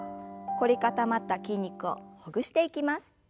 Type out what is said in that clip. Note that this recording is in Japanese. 凝り固まった筋肉をほぐしていきます。